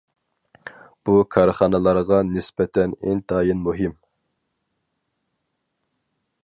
بۇ كارخانىلارغا نىسبەتەن ئىنتايىن مۇھىم.